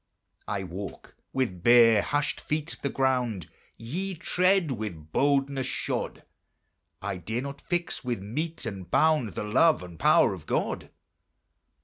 I walk with bare, hushed feet the ground Ye tread with boldness shod; I dare not fix with mete and bound The love and power of God.